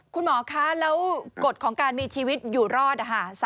คุณหมอคะแล้วกฎของการมีชีวิตอยู่รอด